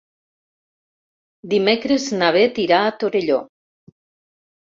Dimecres na Beth irà a Torelló.